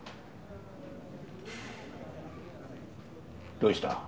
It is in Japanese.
どうした？